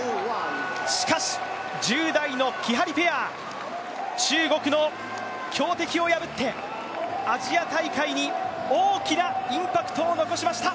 しかし、１０代のきはりペア中国の強敵を破ってアジア大会に大きなインパクトを残しました。